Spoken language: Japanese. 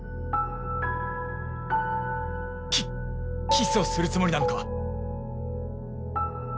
キキスをするつもりなのか！？